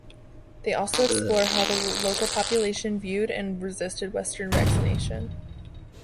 They also explore how the local population viewed and resisted western vaccination.